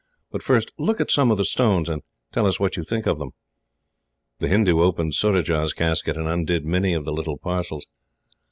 But first, look at some of the stones, and tell us what you think of them." The Hindoo opened Surajah's casket, and undid many of the little parcels.